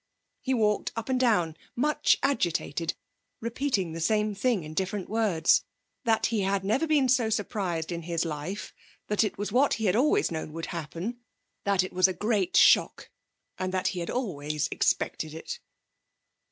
He walked up and down, much agitated, repeating the same thing in different words: that he had never been so surprised in his life; that it was what he had always known would happen; that it was a great shock, and he had always expected it.